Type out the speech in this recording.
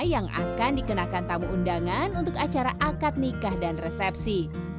yang akan dikenakan tamu undangan untuk acara akad nikah dan resepsi